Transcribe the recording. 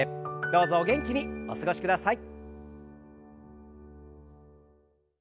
どうぞお元気にお過ごしください。